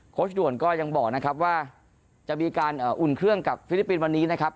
ชด่วนก็ยังบอกนะครับว่าจะมีการอุ่นเครื่องกับฟิลิปปินส์วันนี้นะครับ